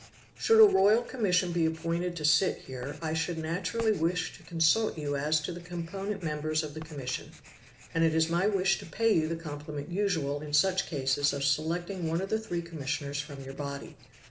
"Should a royal commission be appointed to sit here, I should naturally wish to consult you as to the component members of the commission; and it is my wish to pay you the compliment usual in such cases of selecting one of the three commissioners from your body.